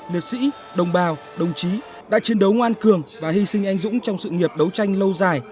liệt sĩ đồng bào đồng chí đã chiến đấu ngoan cường và hy sinh anh dũng trong sự nghiệp đấu tranh lâu dài